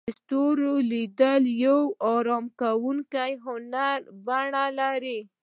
د ستورو لیدل د یو آرام کوونکي هنر بڼه لري.